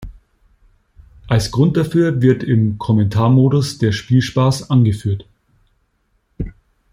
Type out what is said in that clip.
Als Grund dafür wird im Kommentar-Modus der Spielspaß angeführt.